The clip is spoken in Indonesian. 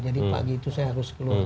jadi pagi itu saya harus keluar